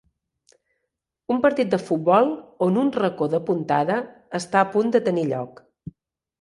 Un partit de futbol on un racó de puntada està a punt de tenir lloc.